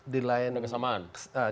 di lain persoalan kesamaan